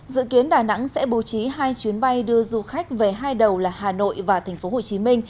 dự kiến đà nẵng sẽ bố trí hai chuyến bay đưa du khách về hai đầu là hà nội và tp hcm